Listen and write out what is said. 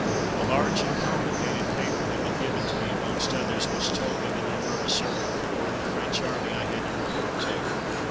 A large and complicated paper had been given to me amongst others, which told me the number of a certain corps in the French Army I had to report to.